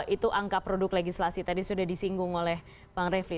itu angka produk legislasi tadi sudah disinggung oleh bang refli